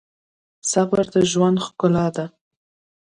صبر د ژوند ښکلا ده.